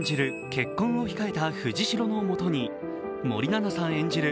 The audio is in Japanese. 結婚を控えた藤代のもとに森七菜さん演じる